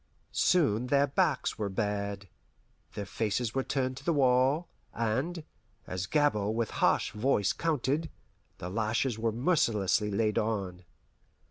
Soon their backs were bared, their faces were turned to the wall, and, as Gabord with harsh voice counted, the lashes were mercilessly laid on.